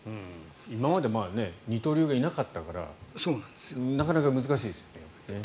今まで二刀流がいなかったからなかなか難しいですよね。